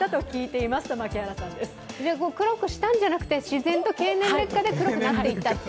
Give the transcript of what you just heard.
黒くしたんじゃなくて、自然と経年劣化で黒くなっていったと。